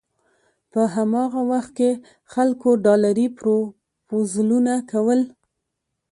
په هماغه وخت کې خلکو ډالري پروپوزلونه کول.